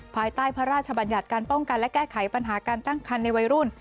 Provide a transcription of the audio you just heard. ภายใต้พระราชบัญญัติการป้องกันและแก้ไขปัญหาการตั้งคันในวัยรุ่น